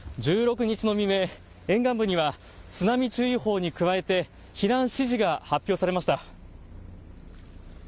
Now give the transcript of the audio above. １６日の未明、沿岸部には津波注意報に加えて避難指示が発表されました。